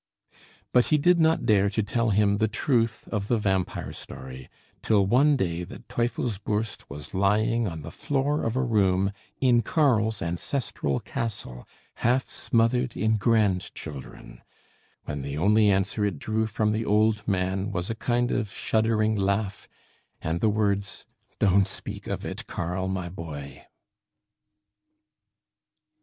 But he did not dare to tell him the truth of the vampire story till one day that Teufelsbürst was lying on the floor of a room in Karl's ancestral castle, half smothered in grandchildren; when the only answer it drew from the old man was a kind of shuddering laugh and the words "Don't speak of it, Karl, my boy!"